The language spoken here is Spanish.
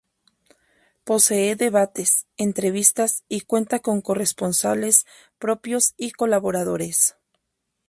Posee debates, entrevistas y cuenta con corresponsales propios y colaboradores.